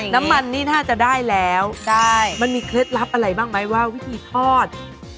น้ำมันนี่น่าจะได้แล้วมันมีเคล็ดลับอะไรบ้างไหมว่าวิธีทอด